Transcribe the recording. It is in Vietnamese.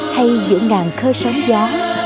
hay giữa ngàn khơi sóng gió